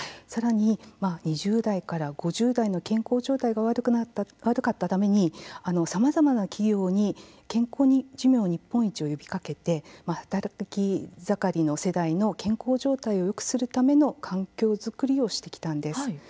さらに２０代から５０代の健康状態が悪かったためにさまざまな企業に健康寿命日本一を呼びかけて働き盛りの世代の健康状態をよくするための環境作りをしてきたんです。